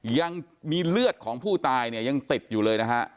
ยังมีเลือดของผู้ตายเนี่ยยังติดอยู่เลยนะฮะ